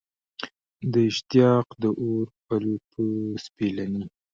د اشتیاق د اور په پل سپېلني